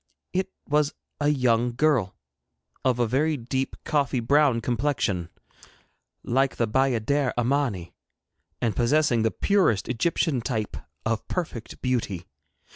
It was a young girl of a very deep coffee brown complexion, like the bayadère Amani, and possessing the purest Egyptian type of perfect beauty.